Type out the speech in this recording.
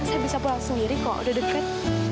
saya bisa pulang sendiri kok udah deket